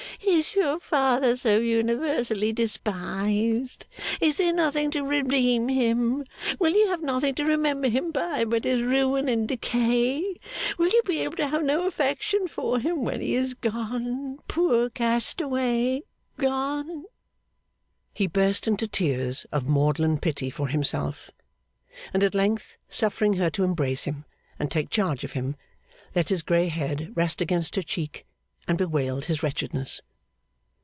Is your father so universally despised? Is there nothing to redeem him? Will you have nothing to remember him by but his ruin and decay? Will you be able to have no affection for him when he is gone, poor castaway, gone?' He burst into tears of maudlin pity for himself, and at length suffering her to embrace him and take charge of him, let his grey head rest against her cheek, and bewailed his wretchedness.